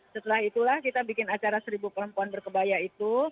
setelah itulah kita bikin acara seribu perempuan berkebaya itu